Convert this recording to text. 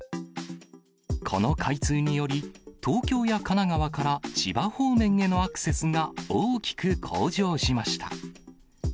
この開通により、東京や神奈川から千葉方面へのアクセスが大きく向上しました。